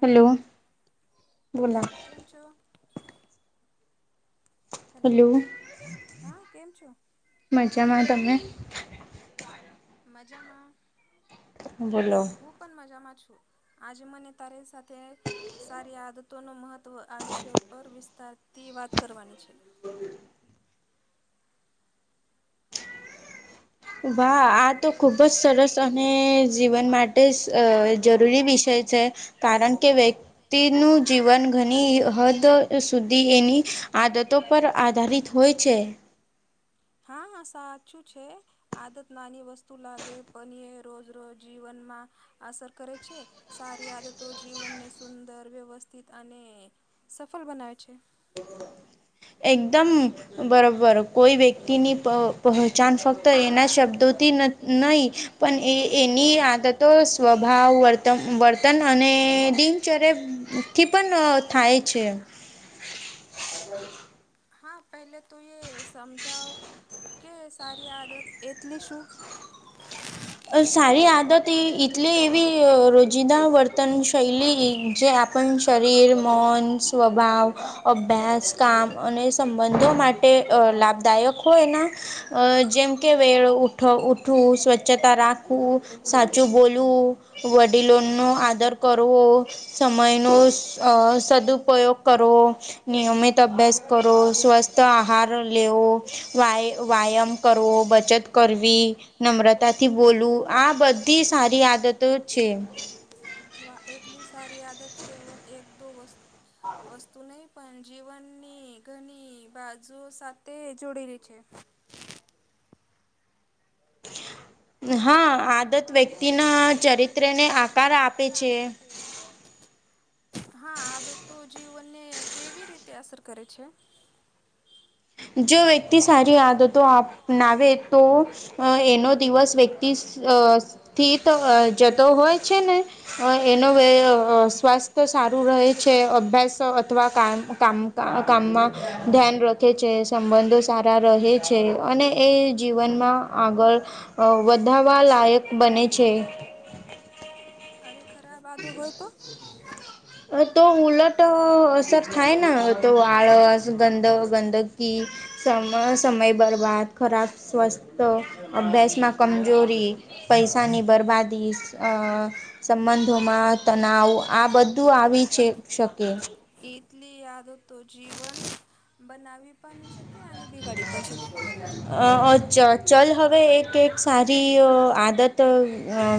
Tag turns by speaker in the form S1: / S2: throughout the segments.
S1: Hello બોલો.
S2: પાંચો hello હા કેમ છો.
S1: મજામાં તમે.
S2: મજામાં.
S1: બોલો.
S2: હું પણ મજામાં છું આજે મને તારી સાથે સારી આદતોનું મહત્ત્વ તો આ વિષય પર વિસ્તારતી વાત કરવાની છે.
S1: વાહ આ તો ખૂબ જ સરસ અને જીવન માટે જરૂરી વિષય છે. કારણ કે વ નું જીવન ઘણી હદ સુધી એની આદતો પર આધારિત હોય છે
S2: હા હા સાચું છે. આદત નાની વસ્તુ લાગે પણ એ રોજ રોજ જીવનમાં અસર કરે છે સારી આદતો જીવનને સુંદર વ્યવસ્થિત અને સફળ બનાય છે.
S1: એકદમ બરાબર કોઈ વ્યક્તિની પ પહચાન ફક્ત એના શબ્દોથી નહીં પણ એ એની આદતો સ્વભાવ વર્તન વર્તન અને દિનચર્યાથી પણ થાય છે. [unintelligible]
S2: હા પેલે તો એ સમજાવ કે સારી આદત એટલી શું [unintelligible]
S1: અ સારી આદત એ એટલે એવી રોજિંદા વર્તન શૈલી જે પણ શરીર મન સ્વભાવ અભ્યાસ કામ અને સંબંધો માટે લાભદાયક હોયના જેમ કે વેળ ઉઠવું સ્વચ્છ ચતાં રાખવું સાચું બોલવું વડીલોનો આદર કરવો. સમય ન સદુપયોગ કરો નિયમિત અભ્યાસ, કરો સ્વસ્થ આહાર લેવો. વાય વયામ કરવો, બચત કરવી નમ્રતા તથી બોલું આ બધી સારી આદતો છે.
S2: એટલી સારી આદત કેવલ એક દો વસ્ વસ્તુ નહી પણ જીવનની ઘણી બાજુ સાથે જોડેલી છે. હા આદત વ્યક્તિ ના ચરિત્ર ને આકાર આપે છે. હા આદ તો જીવનને કેવી રીતે અસર કરે છે.
S1: જો વ વ્ય સારી આદતો અનાવે તો એનો દિવસ વ્યક્તિથી તો જતો હોય છેને. એનો સ્વાસ્થ્ય સારું રહે છે, અભ્યાસ અથવા કામમાં ધ્યાન રખે છે. સંબ સારા રહે છે. અને એ જીવનમાં આગળ વધાવા લાયક બને
S2: બ છે અરે ખરાબ આદો હોય, તો
S1: અ તો ઉલટ તો અસર થાય, તો આળસ ગંદ ગંદકી સમ સમય બરબાદ ખરાબ સ્વસ્થ અભ્યાસમાં કમજોરી પૈસાની બરબાદી સંબંધોમાં તનાવ આ બધા તું આવી છે. શકે
S2: એટલી યાદો તો જીવન બનાવી પણ શકે અને બિગાડી પણ શકે
S1: અ અ્છા ચલ હવે એક એક સારી આદત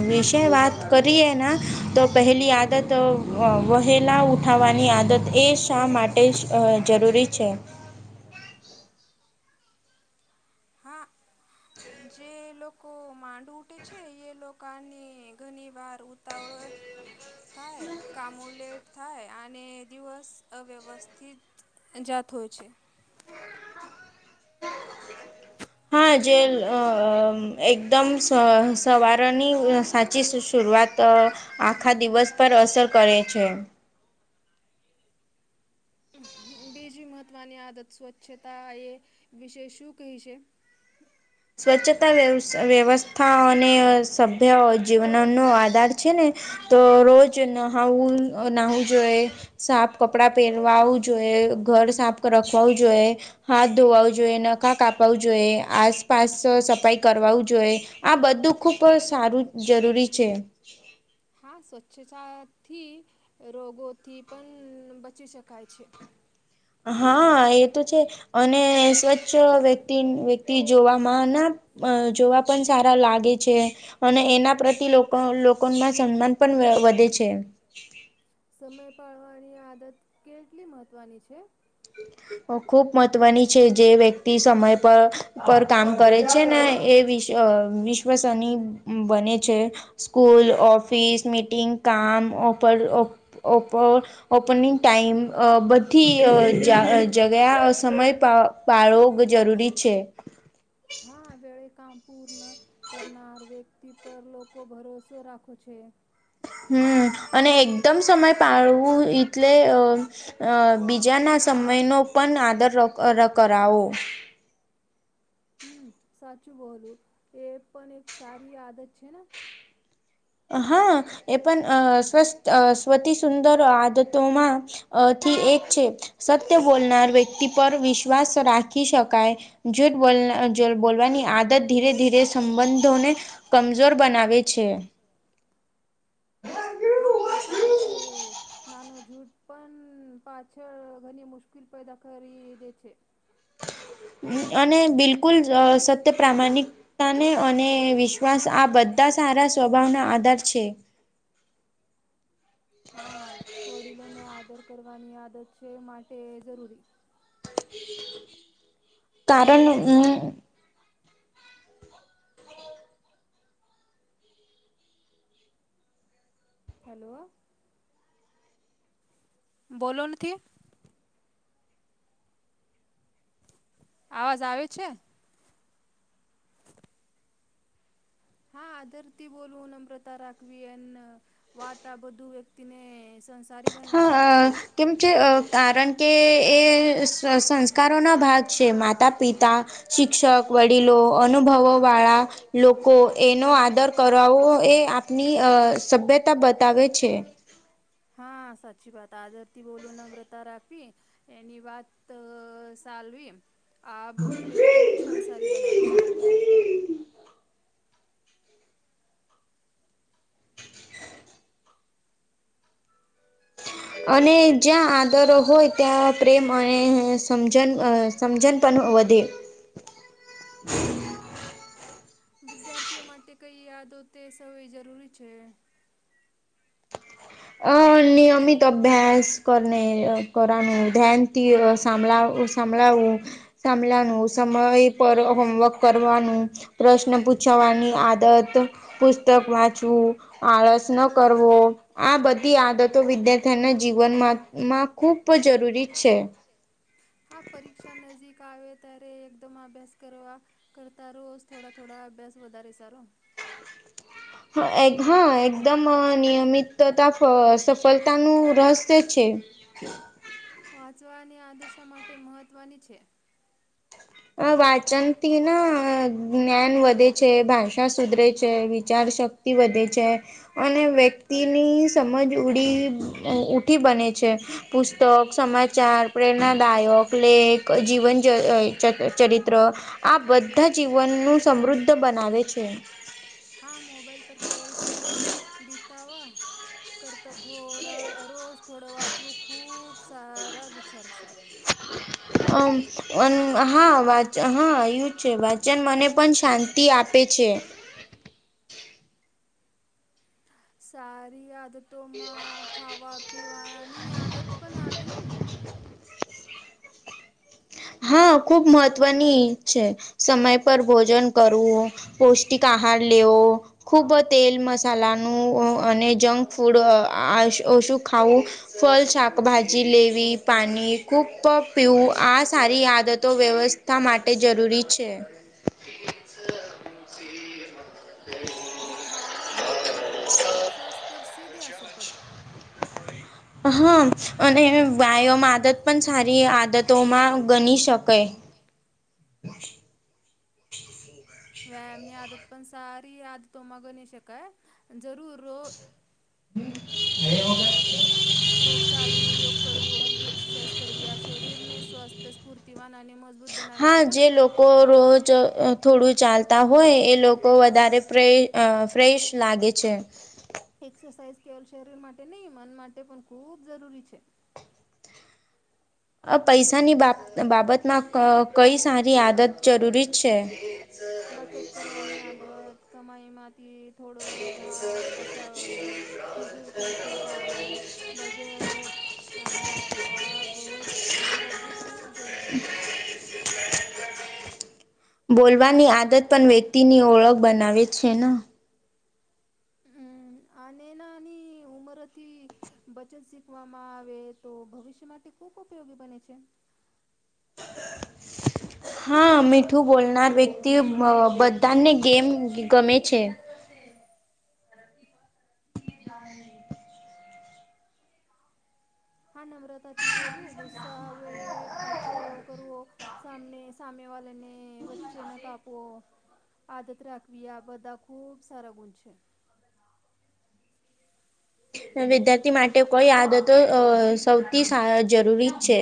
S1: વિશે વાત કરીએ તો પહેલી આદત વહેલા થવાની આદત એ શા માટે જ જરૂરી છે.
S2: હા જે લોકો માંડ ઉટેે છે. એ લોકોની ઘણી વાર તવળો થાય કામો લેટ થાય અને દિવસ અવ્યવસ્થિત જાત હોય છે.
S1: હા જે એકદમ સ સવારની સાચી સુ શરૂઆત તો આખા દિવસ પર અસર કરે છે.
S2: બીજી મહત્ત્વની આદત સ્વચ્છતા એ વિશે શું કહી છે.
S1: સ્વચ્છતા વ્યવસ્થા અને સભ્ય જીવનનોો આધાર છેને તો રોજ હું નાહું જોઈ સાફ કપડાં પહેરવાું જોઈએ ઘર સાફ રાખું જોઈએ હાથ ધોવાું જોઈએ નખા કાપું જોઈએ આસ પાસ સફાઈ કરવાવું જોઈએ આ બધું ખૂબ સારું જરૂરી છે.
S2: હા, સ્વચ્છતાથી રોગોથી પણ બચી શકાય છે.
S1: હા એ તો છે. અને સ્વચ્છ વ્યક્તિ વ્યક્તિ જોવામાં ના અ જોવા પણ સારા લાગે છે. અને એના પ્રતિ લોકોમાં સન્માન પણ વધે છે.
S2: સમય પાળવાની આદત કેટલી મહત્ત્વની છે.
S1: ખુબ મહત્વની છે. જે વ્યક્તિ સમય પર પર કામ કરે છેને, એ વિ વિશ્વસની બને છે. સ્કૂલ ઓફિસ મીટિંગ કામ ઓ ઓપ ઓપનિંગ ટાઈમ બધી જગ્યા સમય પાળવો જરૂરી છે.
S2: આ વેળ કામ પૂર્ણ કરનાર વ્યક્તિ પર લોકો ભરોસો રાખો છે.
S1: હમ, અને એકદમ સમય પાડવું એટલે અ અ બીજાના સમયનોો પણ આદર કરાવો
S2: સાચું બોલું એ પણ એક સારી આદત છેને.
S1: હા એ પન અ સ્વસ્ત સ્વતી સુંદર આદતોમાં અ થી એક છે સત્ય બોલનાર વ્યક્તિ પર વિશ્વાસ રાખી શકાય. જૂઠ બોલના જ બોલવાની આદત ધીરે ધીરે સંબંધોને કમજોર બનાવે છે.
S2: હહ કાર કે નાનો જૂઠ પન પાછળ ઘણી મુશ્કીલ પેદા કરી દે છે.
S1: અને બિલકુલ સત્ય પ્રામાણિક તાને અને વિશ્વાસ આ બધા સારા સ્વભાવના આધાર છે.
S2: હા વડીલોનો આદર કરવાની આદત છે માટે જરૂરી
S1: કારન હમ
S2: હલો બોલો નથી? આવાજ આવે છે? હા આદરતી બોલવું, નમ્રતા રાખવી અન વાત આ બધું વ્યક્તિને સંસ્
S1: હા અ કેમ છે અ કારણ કે એ સંસ્કારોના ભાગ છે માતા પિતા. શિક્ષક, વડીલો, અનુભવોવાળા લોકો એનો આદર કરાવવો એ આપની અ સભ્યતા બતાવે છે.
S2: હા સાચી વાત આદરતી બોલુ નમ્રતા રાખવી. એની વાત સાલવી એમ આ બધું વ્યક્તિને સંસારી બનાવે છે.
S1: અને જ્યાં આદરો હોય ત્યાં પ્રેમ અને સમજન અ સમજન પન વધે.
S2: વિદ્યાર્થીઓ માટે કઈ યાદો તે સવે જરૂરી છે.
S1: અ નિયમિત અભ્યાસ કરને કરવાનું ધ્યાનથી અ સાંમલાવ સામલાવું સામલાનું સમય પર હોમવર્ક કરવાનું. પ્રશ્ન પૂછવાની આદત પુસ્તક વાંચવું, આળસ ન કરવો. આ બધી આદતો વિદ્યાર્થીના જીવનમાં માં ખૂબ જરૂરી છે.
S2: હા પરીક્ષા નજીક આવે ત્યારે એકદમ અભ્યાસ કરવા. કરતા રોજ થોડા થોડા અભ્યાસ વધારે સારો ને?
S1: હ એક હા એકદમ નિયમિતતા સફલતાનું રહસ્ય છે. અ
S2: વાંચવાની આદશા માટે મહત્ત્વની છે.
S1: અ વાંચનથી ન જ્ઞાન વધે છે, ભાષા સુધરે છે, વિચાર શક્ ક્તિ વધે છે. અને વ્યક્તિની સમજ ઉડી ઉઠી બને છે. પુસ્તક, સમાચાર, પ્રેરણાદાયક, લેખ, જીવન જ એ ચ ચરિત્ર આ બધા જીવનનું સમૃદ્ધ બનાવે છે.
S2: મોબાઈલ પર કેવલ સમય બિતાવા કરતાં થોડા રોજ થોડો વાંચવું ખૂબ સારા વિચાર છે.
S1: અમ અન હા વાચ હા એવું જ છે વાચન મને પન શાંતિ આપે છે.
S2: સારી આદતોમાં ખાવા પીવાની આદત પન આવે ને?
S1: હા ખુબ મહત્વની છે સમય પર ભોજન કરવું. પૌષ્ટિક આહાર લેવો. ખૂબ તેલ મસાલાનું અને જંક ફૂડ આ ઓશું ખાવું. ફલ, શાકભાજી લેવી પાની ખૂપ પીવું આસ સારી આદતો વ્યવસ્થા માટે જરૂરી છે.
S2: જો ખાવાની આદત ખરાબ હોય તો શ્વાસ પર સીધી અસર પડે.
S1: હા, અને વ્યાયામની આદત પણ સારી આદતોમાં ગણી શકાય.
S2: વ્યાયામની આદત પણ સારી આદતોમાં ગણી શકાય. જરૂરો
S1: હૉય એ
S2: રોજ ચાલવું, યોગ કરવું, હલકી એક્સરસાઇઝ કાર્ય શરીરને સ્વસ્થ, સ્ફૂર્તિવાન અને મજબૂત
S1: હા, જે લોકો લોકો રોજ થોડું ચાલતા હોય, એ લોકો વધારે પ્રય ફ્રેશ લાગે છે.
S2: એક્સરસાઇઝ કેવલ શરીર માટે નહીં, મન માટે પણ ખૂબ જરૂરી છે.
S1: આ પૈસાની બાબતમાં કઈ સારી આદત જરૂરી છે?
S2: બચત કરવાની આદત કમાઈમાંથી થોડો ભાગ બચાવે ફિજુલ ખર્ચે ટાળવો બજેટ રાખવું આ બહુ જ બધું ખૂબ જરૂરી છે.
S1: [inaudible] બોલવાની આદત પણ વ્યક્તિની ઓળખ બનાવે છેને
S2: આનનાની ઉમરતી વચન શીખવામાં આવે તો ભવિષ્ય માટે ખુબ ઉપયોગી બને છે. [inaudible]
S1: હા મીઠું બોલનાર વ્યક્તિ બધાને ગેમ ગમે છે.
S2: હા નમ્રતાથી બોલું ગુસ્સા હવે આછો કરો સામને સામેવાળને વચનાકાપ આદત રાખવી આ બધા ખૂબ સારા ગુણ છે.
S1: વિદ્યાર્થી માટે કઈ આદતો સૌથી જરૂરી છે.